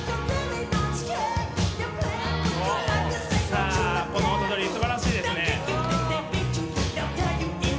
さあこの音取りすばらしいですね。